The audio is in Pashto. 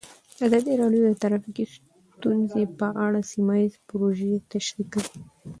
ازادي راډیو د ټرافیکي ستونزې په اړه سیمه ییزې پروژې تشریح کړې.